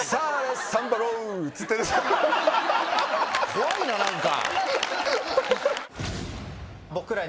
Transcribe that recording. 怖いな何か。